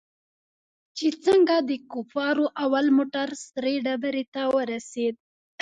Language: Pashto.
چې څنگه د کفارو اول موټر سرې ډبرې ته ورسېد.